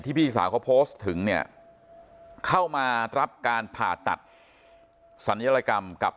พี่สาวเขาโพสต์ถึงเนี่ยเข้ามารับการผ่าตัดสัญลัยกรรมกับ